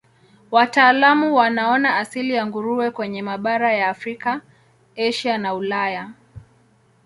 Wataalamu wanaona asili ya nguruwe kwenye mabara ya Afrika, Asia na Ulaya.